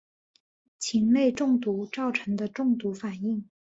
蕈类中毒造成的中毒反应。